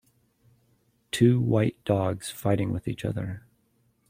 two white dogs fighting with each other